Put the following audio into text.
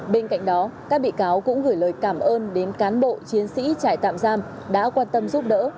bên cạnh đó các bị cáo cũng gửi lời cảm ơn đến cán bộ chiến sĩ trại tạm giam đã quan tâm giúp đỡ